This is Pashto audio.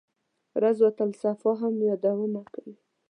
روضته الصفا هم یادونه کوي.